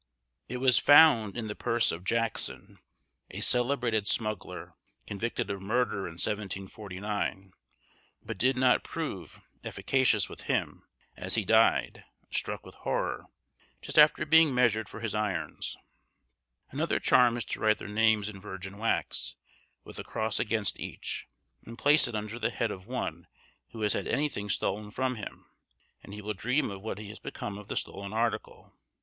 It was found in the purse of Jackson, a celebrated smuggler, convicted of murder, in 1749, but did not prove efficacious with him, as he died, struck with horror, just after being measured for his irons. Another charm is to write their names in virgin wax, with a cross against each, and place it under the head of one who has had any thing stolen from him, and he will dream of what has become of the stolen article.